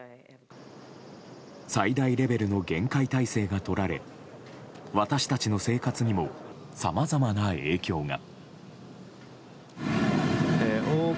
最大レベルの厳戒態勢がとられ私たちの生活にもさまざまな影響が。